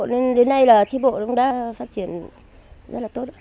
nên đến nay là tri bộ cũng đã phát triển rất là tốt